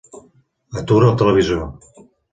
Atura el televisor.